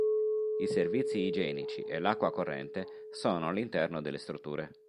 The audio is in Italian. I servizi igienici e l'acqua corrente sono all'interno delle strutture.